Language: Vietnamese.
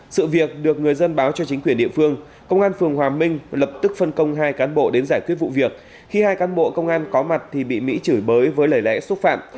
sự việc được người dân báo cho chính quyền địa phương công an phường hòa minh lập tức phân công hai cán bộ đến giải quyết vụ việc khi hai cán bộ công an có mặt thì bị mỹ chửi bới với lời lẽ xúc phạm